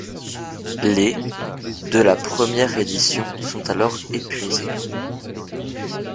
Les de la première édition sont alors épuisés.